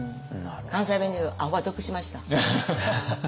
関西弁で言うアホは得しました。